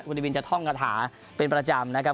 คุณนิวินจะท่องกระถาเป็นประจำนะครับ